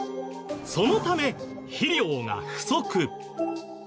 そのため肥料が不足。